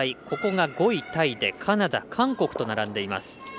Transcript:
ここが５位タイでカナダ、韓国と並んでいます。